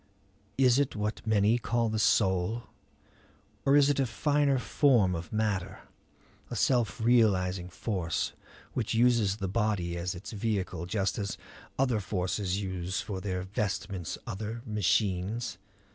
Is it what many call the soul? Or is it a finer form of matter, a self realizing force, which uses the body as its vehicle just as other forces use for their vestments other machines?